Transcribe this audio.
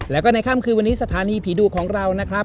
แล้วก็ในค่ำคืนวันนี้สถานีผีดุของเรานะครับ